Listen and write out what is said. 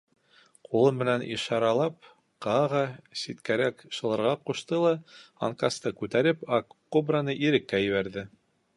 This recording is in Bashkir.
Ҡулы менән ишаралап, Кааға ситкәрәк шылырға ҡушты ла, анкасты күтәреп, аҡ кобраны иреккә ебәрҙе.